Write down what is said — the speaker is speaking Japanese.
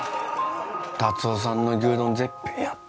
達雄さんの牛丼絶品やった